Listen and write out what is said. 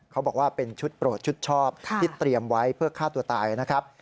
เขาบอกว่าเป็นชุดโปรดชุดชอบที่เตรียมไว้เพื่อฆ่าตัวตายนะครับ